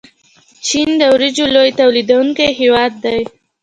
چین د وریجو لوی تولیدونکی هیواد دی.